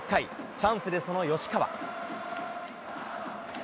チャンスでその吉川。